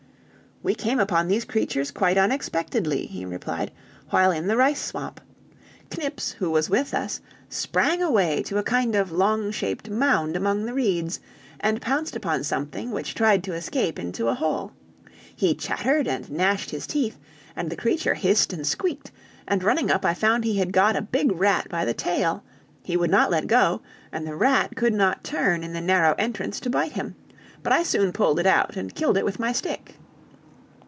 "We came upon these creatures quite unexpectedly," he replied, "while in the rice swamp. Knips, who was with us, sprang away to a kind of long shaped mound among the reeds, and pounced upon something, which tried to escape into a hole. He chattered and gnashed his teeth, and the creature hissed and squeaked, and running up I found he had got a big rat by the tail; he would not let go, and the rat could not turn in the narrow entrance to bite him, but I soon pulled it out and killed it with my stick.